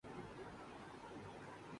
کمریں سیاہ تھیں وہاں